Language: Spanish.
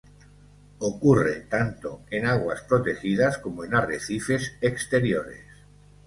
Ocurre tanto en aguas protegidas, como en arrecifes exteriores.